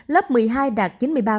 lớp một mươi hai đạt chín mươi chín